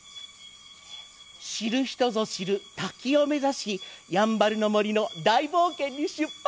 知る人ぞ知る滝を目指しやんばるの森の大冒険に出発！